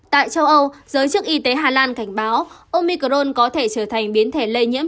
tại châu âu giới chức y tế hà lan cảnh báo omicron có thể trở thành biến thể lây nhiễm